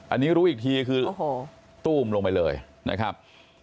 อันนี้รู้อีกทีคือโอ้โหตู้มลงไปเลยนะครับ